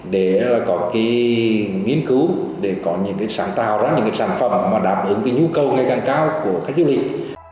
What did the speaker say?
để có nghiên cứu để có những sản phẩm đáp ứng nhu cầu ngày càng cao của khách du lịch